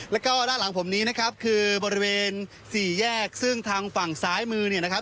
แล้วก็ด้านหลังผมนี้นะครับคือบริเวณสี่แยกซึ่งทางฝั่งซ้ายมือเนี่ยนะครับ